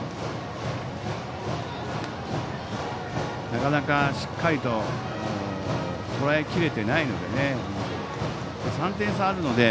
なかなか、しっかりととらえきれていないのでね。